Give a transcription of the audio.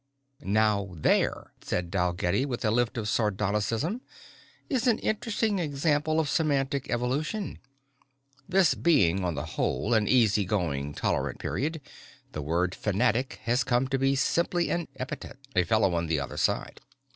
"Now there," said Dalgetty with a lift of sardonicism, "is an interesting example of semantic evolution. This being, on the whole, an easy going tolerant period, the word 'fanatic' has come to be simply an epithet a fellow on the other side."